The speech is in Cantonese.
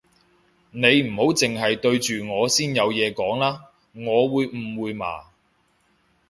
你唔好剩係對住我先有嘢講啦，我會誤會嘛